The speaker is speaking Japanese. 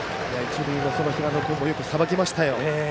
一塁の平野君よくさばきましたよ。